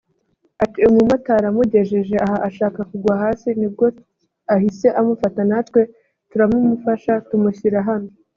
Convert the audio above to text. Ati “Umumotari amugejeje aha ashaka kugwa hasi ni bwo ahise amufata natwe turamumufasha tumushyira hano